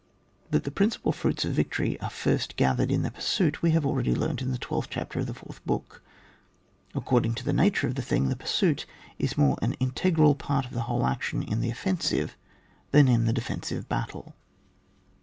That the principal fruits of victory are first gathered in the pursiiit, we have already learnt in the twelfth chapter of the 4th Book. According to the nature of the thing, the pursuit is more an integral part of the whole action in the offensiTe than in the defensive battle.